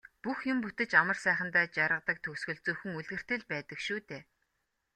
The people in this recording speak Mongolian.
Бүх юм бүтэж амар сайхандаа жаргадаг төгсгөл зөвхөн үлгэрт л байдаг шүү дээ.